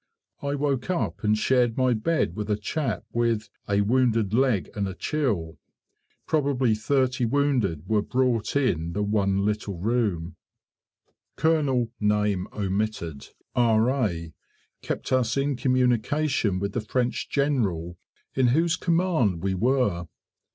I woke up and shared my bed with a chap with "a wounded leg and a chill". Probably thirty wounded were brought into the one little room. Col. , R.A., kept us in communication with the French General in whose command we were.